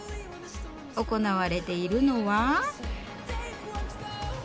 行われているのは。